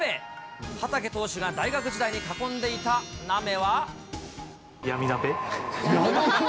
畠投手が大学時代に囲んでいた鍋闇鍋。